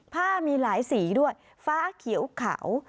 ผ้ามีหลายสีด้วยฟ้าเขียวขาว